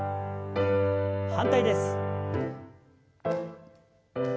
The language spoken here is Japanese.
反対です。